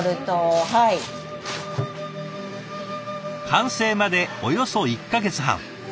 完成までおよそ１か月半。